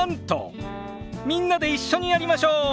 みんなで一緒にやりましょう！